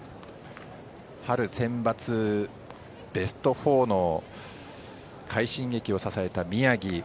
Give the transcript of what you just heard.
春センバツ、ベスト４の快進撃を支えた宮城。